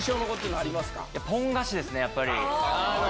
ポン菓子ですね、やっぱり。